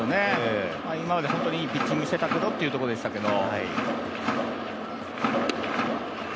今まで本当にいいピッチングをしてたけどっていう感じでしたけど。